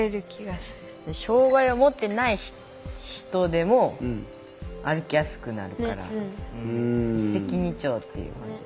障害を持ってない人でも歩きやすくなるから「一石二鳥」っていう。